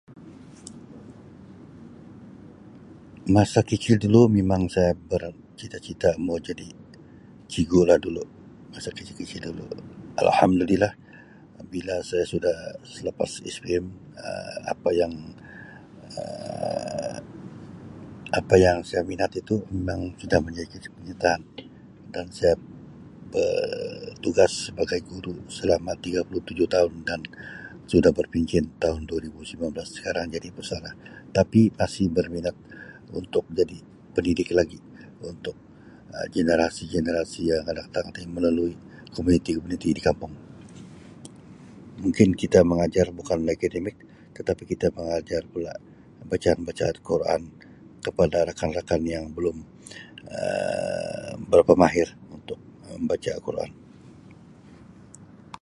Masa kicil dulu memang saya bercita-cita mau jadi cigu lah dulu, masa kici-kici dulu. Alhamdulillah bila saya sudah selepas SPM Um apa yang Um apa yang saya minat itu mimang sudah menjadi cita-cita dan saya Um bertugas sebagai guru selama tiga puluh tujuh tahun dan sudah berpencen tahun dua ribu sembilan belas sekarang sudah jadi pesara tapi masih berminat untuk jadi pendidik lagi untuk Um generasi-generasi yang akan datang tapi melalui komuniti di kampung mungkin kita mengajar bukan akademik tetapi kita mengajar pula bacaan-bacaan Quran kepada rakan-rakan yang belum Um berkemahiran untuk membaca al-Quran.